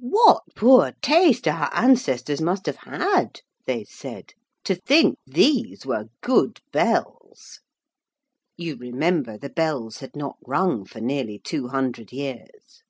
'What poor taste our ancestors must have had,' they said, 'to think these were good bells!' (You remember the bells had not rung for nearly two hundred years.)